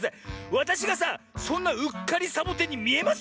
わたしがさそんなうっかりサボテンにみえます？